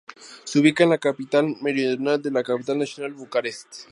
Se ubica en la periferia meridional de la capital nacional Bucarest.